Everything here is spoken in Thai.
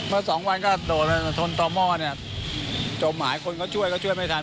เมื่อสองวันก็โดดแล้วทนตอบหม้อเนี่ยจบหมาให้คนก็ช่วยก็ช่วยไม่ทัน